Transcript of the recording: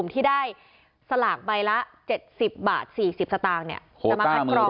ที่ได้สลากใบละ๗๐บาท๔๐สตางค์เนี่ยความมากรอง